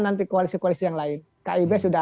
nanti koalisi koalisi yang lain kib sudah